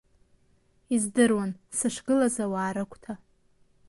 Издыруан сышгылаз ауаа рыгәҭа.